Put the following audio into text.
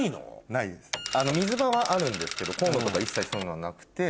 水場はあるんですけどコンロとか一切そういうのはなくて。